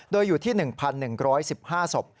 โดยอยู่ที่๑๑๑๕ศพ